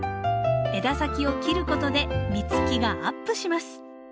枝先を切ることで実つきがアップします。